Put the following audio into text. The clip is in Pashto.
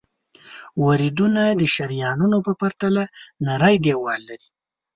وریدونه د شریانونو په پرتله نری دیوال لري.